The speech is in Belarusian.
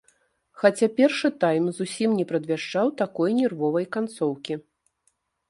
Хаця першы тайм зусім не прадвяшчаў такой нервовай канцоўкі.